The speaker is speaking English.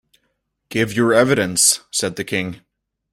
‘Give your evidence,’ said the King.